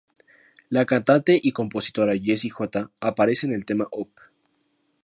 La cantante y compositora Jessie J aparece en el tema "Up".